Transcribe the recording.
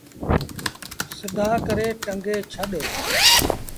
سڌآ ڪري ٽنگي ڇڏ۔